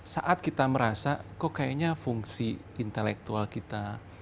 saat kita merasa kok kayaknya fungsi intelektual kita